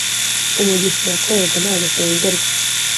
Umugisha urakorerwa ntago usengerwa